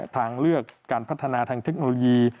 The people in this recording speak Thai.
ทางเลือกการพัฒนาทางเทคโนโลยี